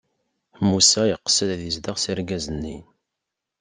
Musa yeqsed ad izdeɣ s argaz-nni.